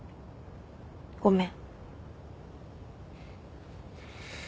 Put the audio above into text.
ごめん。